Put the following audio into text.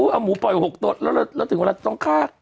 เอาหมูปล่อย๖ตัวแล้วถึงเวลาต้องฆ่า